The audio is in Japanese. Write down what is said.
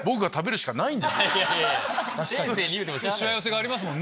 しわ寄せがありますもんね。